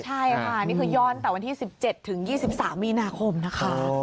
ใช่ค่ะนี่คือย่อนแต่วันที่๑๗ถึง๒๓มีนาคมนะคะ